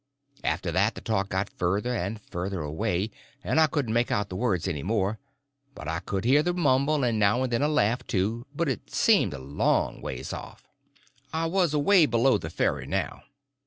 After that the talk got further and further away, and I couldn't make out the words any more; but I could hear the mumble, and now and then a laugh, too, but it seemed a long ways off. I was away below the ferry now.